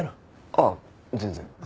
ああ全然。